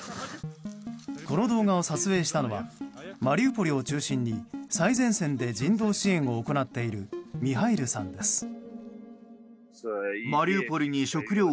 この動画を撮影したのはマリウポリを中心に最前線で人道支援を行っているミハイルさんです。